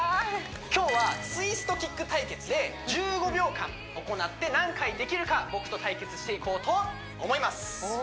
今日はツイストキック対決で１５秒間行って何回できるか僕と対決していこうと思います